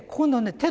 手